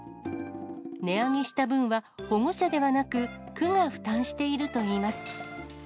値上げした分は、保護者ではなく区が負担しているといいます。